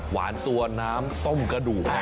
หวานตัวน้ำต้มกระดูก